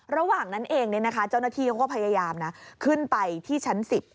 ระหว่างนั้นเองเนี่ยนะคะเจ้าหน้าที่ก็พยายามนะขึ้นไปที่ชั้น๑๐